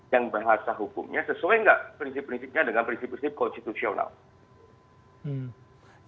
yang bahasa hukumnya sesuai nggak prinsip prinsipnya dengan prinsip prinsip konstitusional